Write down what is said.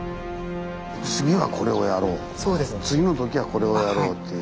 「次はこれをやろう」「次の時はこれをやろう」という。